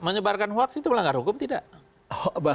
menyebarkan hoax itu melanggar hukum tidak